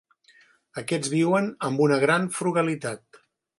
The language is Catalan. Aquests viuen amb una gran frugalitat.